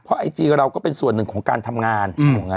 ไอจีเราก็เป็นส่วนหนึ่งของการทำงาน